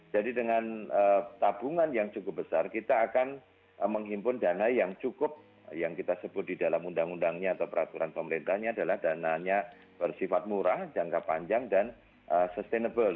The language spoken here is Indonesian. jadi dengan tabungan yang cukup besar kita akan menghimpun dana yang cukup yang kita sebut di dalam undang undangnya atau peraturan pemerintahnya adalah dananya bersifat murah jangka panjang dan sustainable